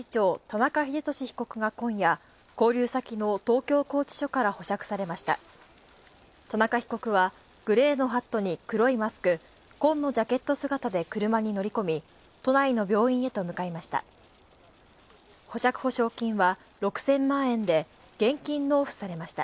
田中被告は、グレーのハットに黒いマスク、紺のジャケット姿で車に乗り込み、都内の病院へと向かいました。